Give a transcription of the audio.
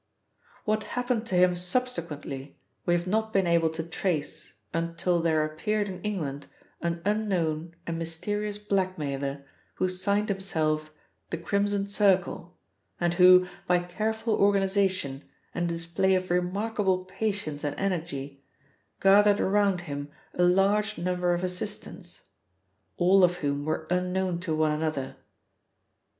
"What happened to him subsequently we have not been able to trace until there appeared in England an unknown and mysterious blackmailer who signed himself the Crimson Circle, and who, by careful organisation and a display of remarkable patience and energy, gathered around him a large number of assistants, all of whom were unknown to one another.